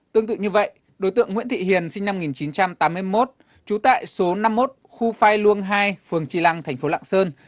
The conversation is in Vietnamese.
tương tự như vậy đối tượng nguyễn thị hiền sinh năm một nghìn chín trăm tám mươi một trú tại số năm mươi một khu phai luông hai phường tri lăng thành phố lạng sơn